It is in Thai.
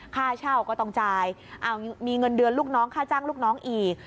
ค่าเช่าก็ต้องจ่ายมีเงินเดือนลูกน้องค่าจ้างลูกน้องอีก